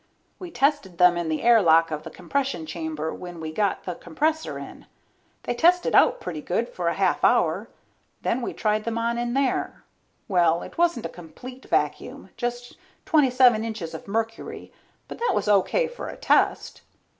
We tested them in the air lock of the compression chamber when we got the compressor in. They tested out pretty good for a half hour, then we tried them on in there. Well, it wasn't a complete vacuum, just twenty seven inches of mercury, but that was O.K. for a test.